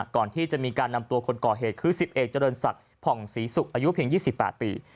ก่อนที่จะมีการนำตัวคนก่อเหตุคือ๑๑เจริญศักดิ์ผ่องศรีศุกร์อายุเพียง๒๘ปี